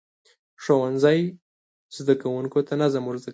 ښوونځی زده کوونکو ته نظم ورزده کوي.